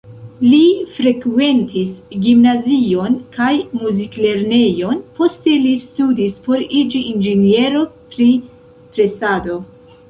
Li frekventis gimnazion kaj muziklernejon, poste li studis por iĝi inĝeniero pri presado.